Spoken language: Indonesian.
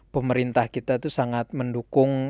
pemerintah kita tuh sangat mendukung